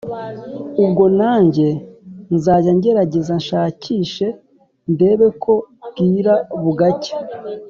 ubwo nanjye nzanjya ngerageza nshakishe ndebe ko bwira bugacya!